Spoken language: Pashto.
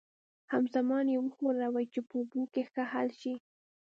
همزمان یې وښورئ چې په اوبو کې ښه حل شي.